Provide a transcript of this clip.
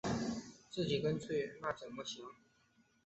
自己跟去那怎么行